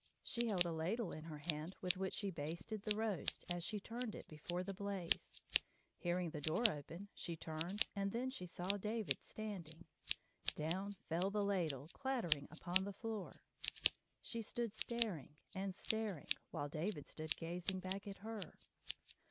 She held a ladle in her hand, with which she basted the roast as she turned it before the blaze. Hearing the door open, she turned and then she saw David standing. Down fell the ladle clattering upon the floor. She stood staring and staring while David stood gazing back at her.